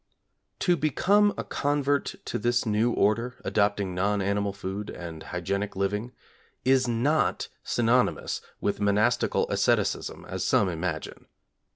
To become a convert to this new order, adopting non animal food and hygienic living, is not synonymous with monastical asceticism, as some imagine.